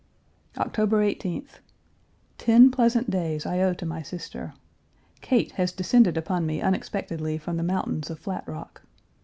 October 18th. Ten pleasant days I owe to my sister. Kate has descended upon me unexpectedly from the mountains of Flat Rock.